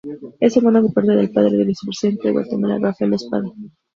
Es hermano, por parte de padre, del vicepresidente de Guatemala, Rafael Espada.